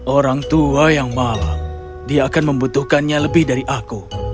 orang tua yang malang dia akan membutuhkannya lebih dari aku